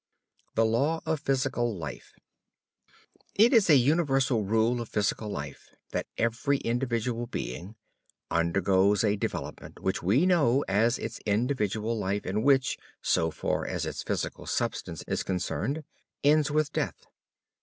THE LAW OF PHYSICAL LIFE It is a universal rule of physical life that every individual being undergoes a development which we know as its individual life and which, so far as its physical substance is concerned, ends with death.